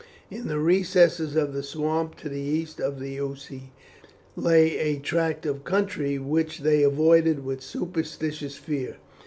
In the recesses of the swamps to the east of the Ouse lay a tract of country which they avoided with a superstitious fear.